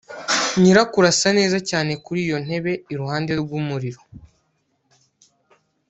nyirakuru asa neza cyane kuri iyo ntebe iruhande rw'umuriro